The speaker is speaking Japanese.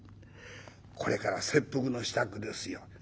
これから切腹の支度ですよ。